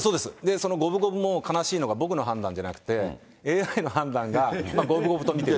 その五分五分も悲しいのが僕の判断じゃなくて、ＡＩの判断が五分五分と見てる。